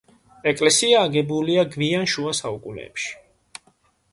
ეკლესია აგებულია გვიან შუა საუკუნეებში.